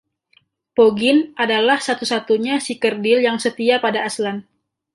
Poggin adalah satu-satunya si kerdil yang setia pada Aslan.